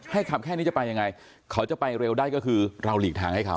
ขับแค่นี้จะไปยังไงเขาจะไปเร็วได้ก็คือเราหลีกทางให้เขา